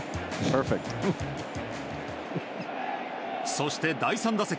そして、第３打席。